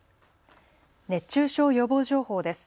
熱中症予防情報です。